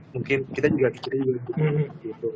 mungkin kita juga kira kira juga gitu